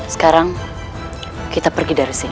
sekarang kita pergi dari sini